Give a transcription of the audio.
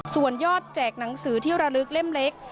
ส่วนยอดแจกหนังสือที่ระลึกเล่มเล็ก